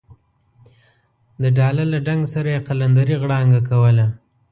د ډاله له ډنګ سره یې قلندرې غړانګه کوله.